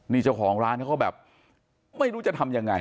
นี่เจ้าของร้านเขาก็แบบไม่รู้จะทำยังไง